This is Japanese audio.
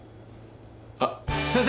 あっ先生！